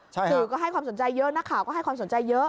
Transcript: สื่อก็ให้ความสนใจเยอะนักข่าวก็ให้ความสนใจเยอะ